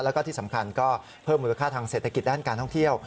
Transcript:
แล้วก็ที่สำคัญก็เพิ่มมูลค่าทางเศรษฐกิจด้านการท่องเที่ยว